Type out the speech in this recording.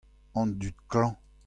An dud klañv.